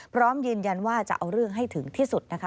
พร้อมยืนยันว่าจะเอาเรื่องให้ถึงที่สุดนะคะ